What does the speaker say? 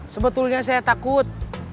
sebetulnya saya takut